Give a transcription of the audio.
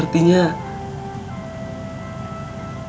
perhatian nona yang keringetan ya